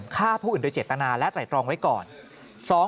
ฆ่าผู้อื่นโดยเจตนาและไตรตรองไว้ก่อน